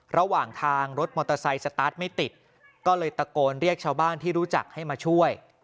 ระหว่างทางรถมอเตอร์ไซค์สตาร์ทไม่ติดก็เลยตะโกนเรียกชาวบ้านที่รู้จักให้มาช่วย